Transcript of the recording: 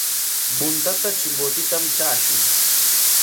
Puntata Chimbotetam traashun.